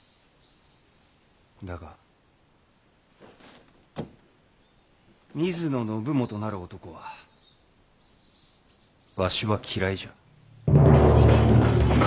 だが水野信元なる男はわしは嫌いじゃ。